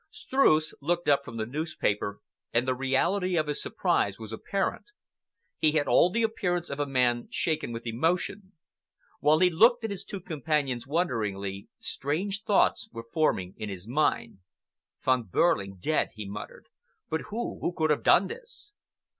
Streuss looked up from the newspaper and the reality of his surprise was apparent. He had all the appearance of a man shaken with emotion. While he looked at his two companions wonderingly, strange thoughts were forming in his mind. "Von Behrling dead!" he muttered. "But who—who could have done this?"